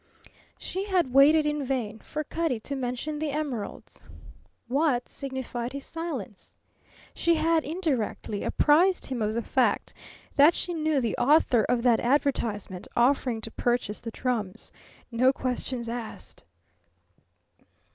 She had waited in vain for Cutty to mention the emeralds. What signified his silence? She had indirectly apprised him of the fact that she knew the author of that advertisement offering to purchase the drums, no questions asked.